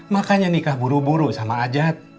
makanya nikah buru buru sama ajat